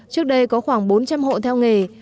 trước đây có khoảng bốn trăm linh hộ theo nghề